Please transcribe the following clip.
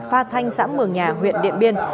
pha thanh xã mường nhà huyện điện biên